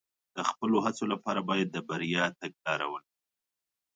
د خپلو هڅو لپاره باید د بریا تګلاره ولرو.